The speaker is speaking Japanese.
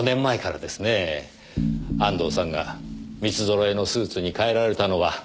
安藤さんが三つ揃えのスーツに変えられたのは。